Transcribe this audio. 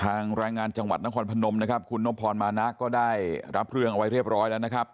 แรงงานจังหวัดนครพนมนะครับคุณนพรมานะก็ได้รับเรื่องเอาไว้เรียบร้อยแล้วนะครับ